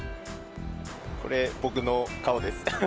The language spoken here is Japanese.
これ、僕の顔です。